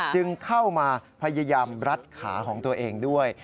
จึงเข้ามาพยายามรัดขาของตัวเองด้วย